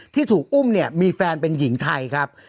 ที่ถูกอุ้มเนี่ยมีแฟนเป็นหญิงไทยครับ